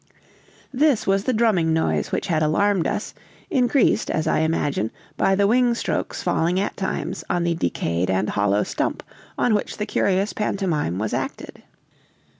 This was the drumming noise which had alarmed us, increased, as I imagine, by the wing strokes falling at times on the decayed and hollow stump on which the curious pantomime was acted.